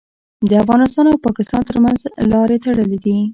د افغانستان او پاکستان ترمنځ لارې تړلي دي.